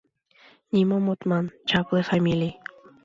— Нимом от ман — чапле фамилий!